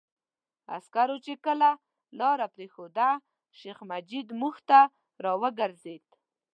عسکرو چې کله لاره پرېښوده، شیخ مجید موږ ته را وګرځېد.